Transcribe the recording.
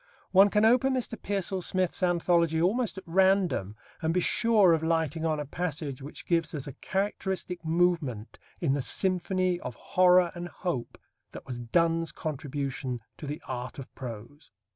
One can open Mr. Pearsall Smith's anthology almost at random and be sure of lighting on a passage which gives us a characteristic movement in the symphony of horror and hope that was Donne's contribution to the art of prose.